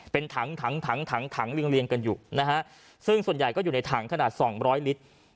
เป็นถังเลี้ยงกันอยู่นะฮะซึ่งส่วนใหญ่ก็อยู่ในถังขนาด๒๐๐ลิตร